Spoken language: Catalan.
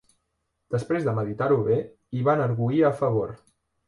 Després de meditar-ho bé, hi van argüir a favor.